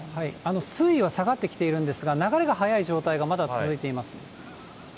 水位は下がってきているんですが、流れが速い状態がまだ続いています。